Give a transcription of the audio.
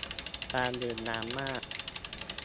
การดื่มน้ำมาก